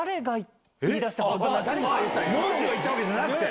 もう中が言ったわけじゃなくて？